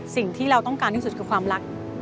สิ่งที่เราต้องการที่สุดคือความรัก